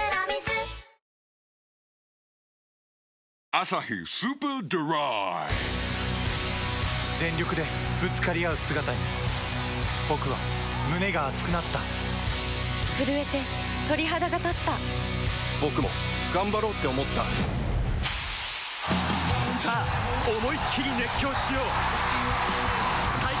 「アサヒスーパードライ」全力でぶつかり合う姿に僕は胸が熱くなった震えて鳥肌がたった僕も頑張ろうって思ったさあ思いっきり熱狂しよう最高の渇きにＤＲＹ